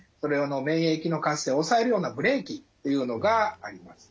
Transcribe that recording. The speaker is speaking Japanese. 免疫の活性抑えるようなブレーキっていうのがあります。